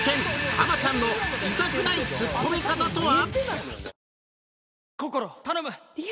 浜ちゃんの痛くないツッコミ方とは？